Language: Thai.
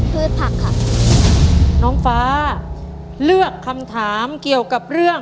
พืชผักครับ